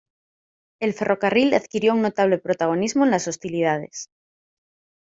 El ferrocarril adquirió un notable protagonismo en las hostilidades.